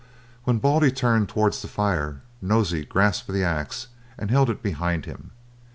When Baldy turned towards the fire, Nosey grasped the axe and held it behind him.